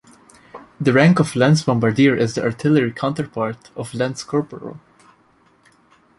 The rank of lance-bombardier is the artillery counterpart of lance-corporal.